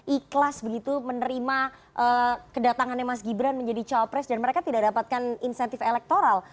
ikhlas begitu menerima kedatangannya mas gibran menjadi cawapres dan mereka tidak dapatkan insentif elektoral